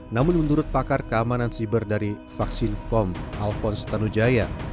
namun menurut pakar keamanan siber dari vaksin com alphonse tanujaya